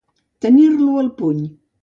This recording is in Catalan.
Tenir-lo al puny.